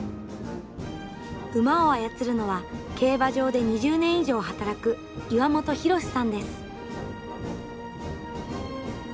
馬を操るのは競馬場で２０年以上働く岩本浩さんです。